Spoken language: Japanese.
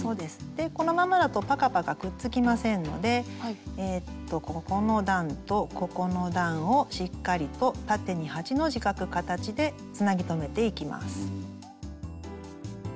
でこのままだとパカパカくっつきませんのでここの段とここの段をしっかりと縦に８の字描く形でつなぎ留めていきます。